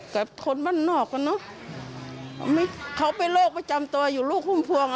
แต่คนบ้านนอกอ่ะเนอะเขาเป็นโรคประจำตัวอยู่ลูกพุ่มพวงอ่ะ